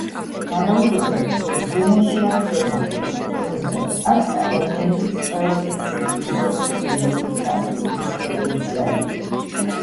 ვარაუდობენ, რომ „ზონაში“ არის ოთახი, რომელსაც აქვს ადამიანების ყველაზე სიღრმისეული სურვილების ასრულების პოტენციალი.